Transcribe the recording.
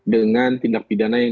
dengan tindak pidana yang